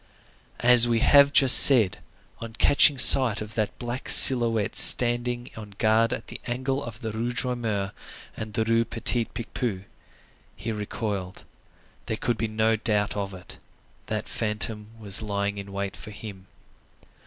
As we have just said, on catching sight of that black silhouette standing on guard at the angle of the Rue Droit Mur and the Rue Petit Picpus, he recoiled. There could be no doubt of it. That phantom was lying in wait for him.